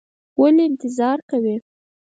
ولې انتظار کوې؟